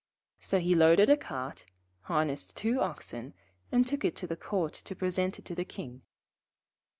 So he loaded a cart, harnessed two oxen, and took it to the Court to present it to the King.